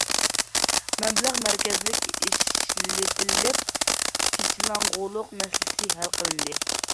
مەبلەغ مەركەزلىك ئىشلىتىلىپ،‹‹ چېچىلاڭغۇلۇق›› مەسىلىسى ھەل قىلىندى.